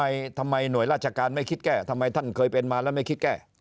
ทำไมทำไมหน่วยราชการไม่คิดแก้ทำไมท่านเคยเป็นมาแล้วไม่คิดแก้